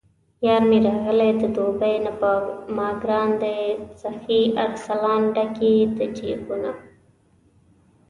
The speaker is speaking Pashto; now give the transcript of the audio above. یارمې راغلی د دوبۍ نه په ماګران دی سخي ارسلان، ډک یې د جېبونه